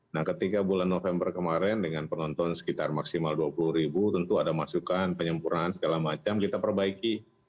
nah ketika bulan november kemarin dengan penonton sekitar maksimal dua puluh ribu tentu ada masukan penyempurnaan segala macam kita perbaiki